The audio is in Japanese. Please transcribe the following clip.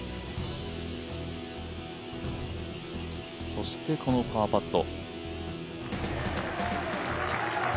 そして、このパーパット。